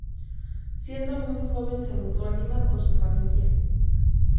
Siendo muy joven se mudó a Lima con su familia.